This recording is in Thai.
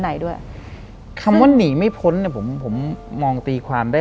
หลังจากนั้นเราไม่ได้คุยกันนะคะเดินเข้าบ้านอืม